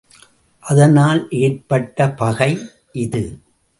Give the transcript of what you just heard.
அதனால் ஏற்பட்ட பகை இது.